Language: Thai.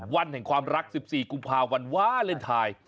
วันแห่งความรัก๑๔กุมภาวันวาเลนไทย